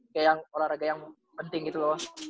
kayak yang olahraga yang penting gitu loh